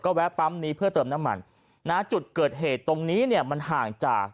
แวะปั๊มนี้เพื่อเติมน้ำมันนะจุดเกิดเหตุตรงนี้เนี่ยมันห่างจาก